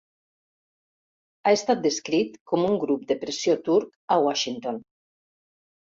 Ha estat descrit com "un 'grup de pressió turc' a Washington".